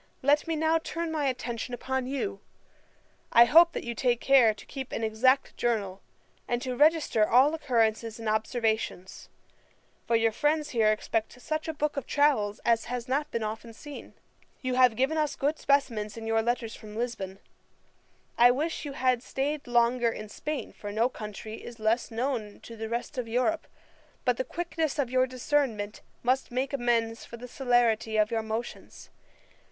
Let me now turn my attention upon you. I hope you take care to keep an exact journal, and to register all occurrences and observations; for your friends here expect such a book of travels as has not been often seen. You have given us good specimens in your letters from Lisbon. I wish you had staid longer in Spain, for no country is less known to the rest of Europe; but the quickness of your discernment must make amends for the celerity of your motions.